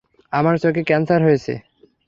আমার চোখে ক্যান্সার হয়েছে।